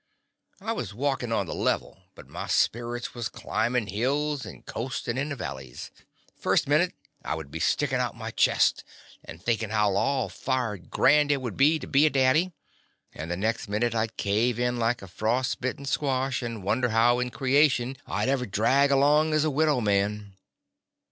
I was walkin' on the level, but my spirits was climbin' hills and coastin' into valleys. First minute I would be stickin' out my chest and thinkin' how [413 The Confessions of a Daddy all fired grand it would be to be a daddy, and the next minute I 'd cave in like a frost bitten squash and won der how in creation I 'd ever drag along as a widow man.